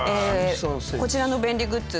こちらの便利グッズ